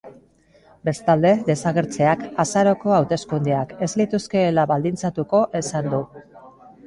Bestalde, desagertzeak azaroko hauteskundeak ez lituzkeela baldintzatuko esan du.